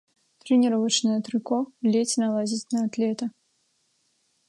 Трэніровачнае трыко ледзь налазіць на атлета.